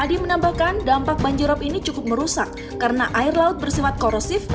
adi menambahkan dampak banjirop ini cukup merusak karena air laut bersifat korosif